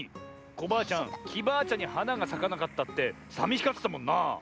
コバアちゃんきバアちゃんにはながさかなかったってさみしがってたもんな！